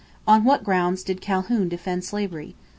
On what grounds did Calhoun defend slavery?